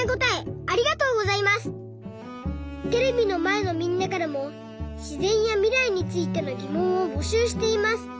テレビのまえのみんなからもしぜんやみらいについてのぎもんをぼしゅうしています。